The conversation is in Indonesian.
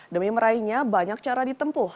demi meraihnya banyak cara ditempuh